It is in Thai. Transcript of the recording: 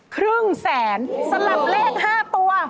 ครึ่งแสนสำหรับเลข๕ตัว